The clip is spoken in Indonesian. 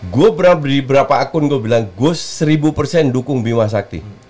gue berapa akun gue bilang gue seribu dukung bima sakti